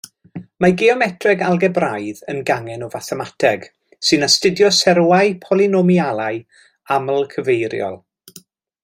Mae geometreg algebraidd yn gangen o fathemateg, sy'n astudio seroau polynomialau aml cyfeiriol.